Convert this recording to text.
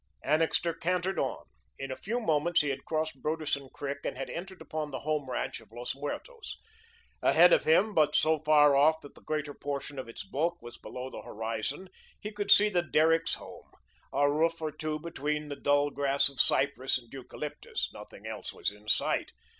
Annixter cantered on. In a few moments, he had crossed Broderson Creek and had entered upon the Home ranch of Los Muertos. Ahead of him, but so far off that the greater portion of its bulk was below the horizon, he could see the Derricks' home, a roof or two between the dull green of cypress and eucalyptus. Nothing else was in sight.